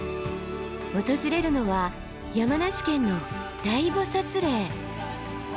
訪れるのは山梨県の大菩嶺。